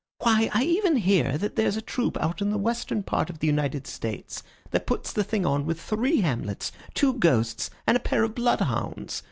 Why, I even hear that there's a troupe out in the western part of the United States that puts the thing on with three Hamlets, two ghosts, and a pair of blood hounds.